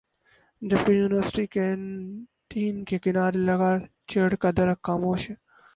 جبکہ university canteen کے کنارے لگا چیڑ کا درخت خاموش ہے